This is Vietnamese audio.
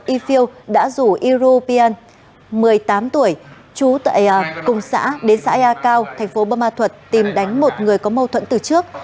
y phil đã rủ european một mươi tám tuổi trú tại cùng xã đến xã yer cao thành phố bù ma thuật tìm đánh một người có mâu thuẫn từ trước